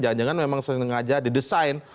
jangan jangan memang sengaja didesain